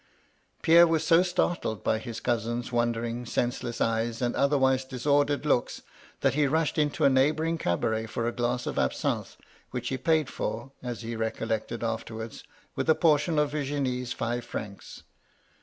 Pierre was so startled by his cousin's wandering, senseless eyes, and otherwise disordered looks, that he rushed into a neighbouring cabaret for a glass of absinthe, which he paid for, as he recollected afterwards, with a portion of Virginie's five francs.